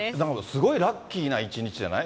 すごいラッキーな一日じゃない？